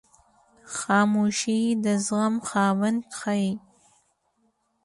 خاموشي، د زغم خاوند ښیي.